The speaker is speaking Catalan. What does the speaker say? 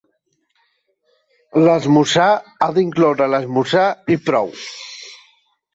L'esmorzar ha d'incloure l'esmorzar i prou.